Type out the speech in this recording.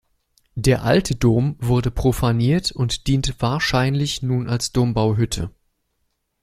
Der alte Dom wurde profaniert und diente wahrscheinlich nun als Dombauhütte.